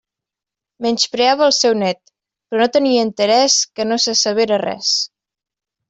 Menyspreava el seu nét, però tenia interès que no se sabera res.